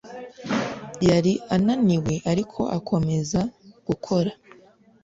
Yari ananiwe ariko akomeza gukora